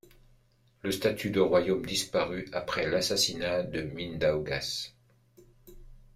Le statut de royaume disparut après l'assassinat de Mindaugas.